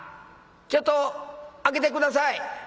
ちょっと開けて下さい」。